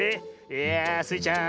いやあスイちゃん